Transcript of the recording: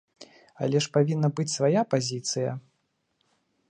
Але ж павінна быць свая пазіцыя!